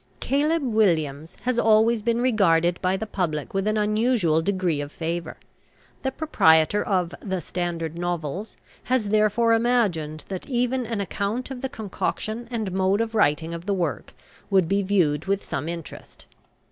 "CALEB WILLIAMS" has always been regarded by the public with an unusual degree of favour. The proprietor of "THE STANDARD NOVELS" has therefore imagined that even an account of the concoction and mode of writing of the work would be viewed with some interest.